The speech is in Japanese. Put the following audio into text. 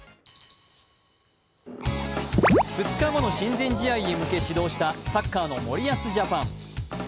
２日後の親善試合へ向け始動したサッカーの森保ジャパン。